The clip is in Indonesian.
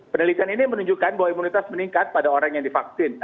penelitian ini menunjukkan bahwa imunitas meningkat pada orang yang divaksin